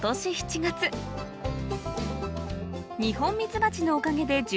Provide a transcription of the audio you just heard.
ニホンミツバチのおかげで受粉が進み